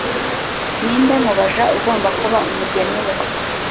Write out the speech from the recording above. ninde mu baja ugomba kuba umugeni we